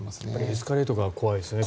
エスカレートが怖いですね。